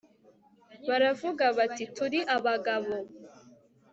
baravuga bati turi abagabo